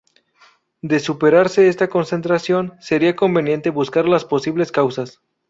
De superarse esta concentración, sería conveniente buscar las posibles causas.